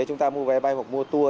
chúng ta mua vé bay hoặc mua tour